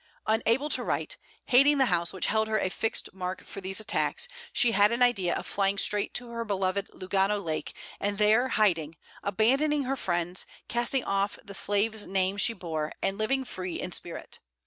Unable to write, hating the house which held her a fixed mark for these attacks, she had an idea of flying straight to her beloved Lugano lake, and there hiding, abandoning her friends, casting off the slave's name she bore, and living free in spirit.